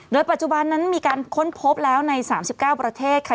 โดยปัจจุบันนั้นมีการค้นพบแล้วใน๓๙ประเทศค่ะ